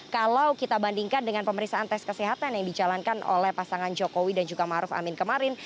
kalau kita bandingkan dengan pemeriksaan tes kesehatan yang dijalankan oleh pasangan jokowi dan juga maruf amin kemarin